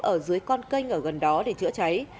ở dưới con kênh ở gần đó để chữa cháy